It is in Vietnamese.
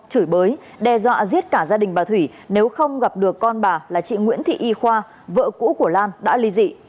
chửi bới đe dọa giết cả gia đình bà thủy nếu không gặp được con bà là chị nguyễn thị y khoa vợ cũ của lan đã ly dị